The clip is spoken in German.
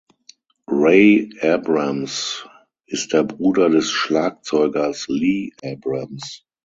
Ray Abrams ist der Bruder des Schlagzeugers Lee Abrams.